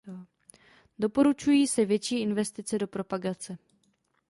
Doporučují se větší investice do propagace.